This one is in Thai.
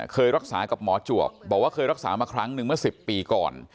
เคยรักษากับหมอจวบบอกว่าเคยรักษามาครั้งหนึ่งเมื่อ๑๐ปีก่อน